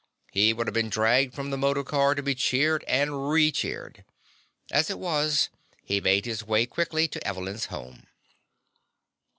He would have been dragged from the motor car to be cheered and recheered. As it was, he made his way quickly to Evelyn's home.